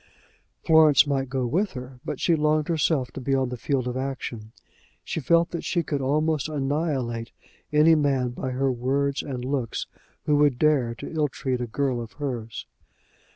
Florence might go with her, but she longed herself to be on the field of action. She felt that she could almost annihilate any man by her words and looks who would dare to ill treat a girl of hers.